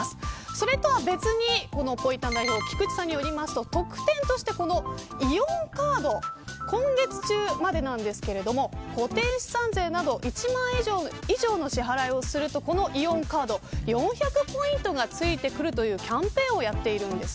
それとは別に菊地さんによると特典としてイオンカード今月中までですが固定資産税など１万円以上の支払いをするとこのイオンカード４００ポイントが付いてくるというキャンペーンをしています。